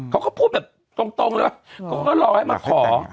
เขาก็พูดแบบตรงเลยว่าเขาก็รอให้มาขอ